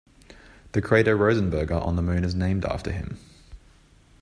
The crater Rosenberger on the Moon is named after him.